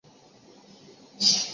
朱买臣人。